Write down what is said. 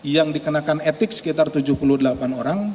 yang dikenakan etik sekitar tujuh puluh delapan orang